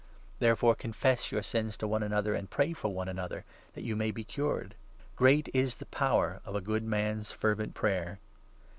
Therefore, confess your sins to one 16 another and pray for one another, that you may be cured. Great is the power of a good man's fervent prayer.